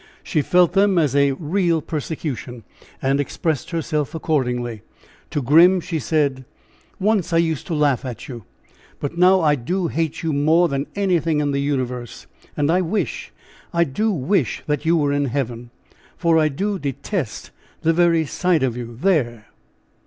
She felt them as a real persecution, and expressed herself accordingly. To Grim she said: "Once I used to laugh at you. But now I do hate you more than anything in the universe! And I wish I do wish that you were in heaven! for I do detest the very sight of you there!"